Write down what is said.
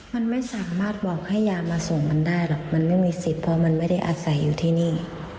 มันไม่สามารถบอกให้ยามาส่งมันได้หรอกมันไม่มีสิทธิ์เพราะมันไม่ได้อาศัยอยู่ที่นี่